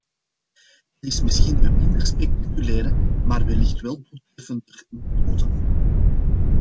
Dat is misschien een minder spectaculaire, maar wellicht wel doeltreffender methode.